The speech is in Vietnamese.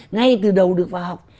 ngay từ đầu được vào học